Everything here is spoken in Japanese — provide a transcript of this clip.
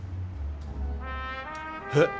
え？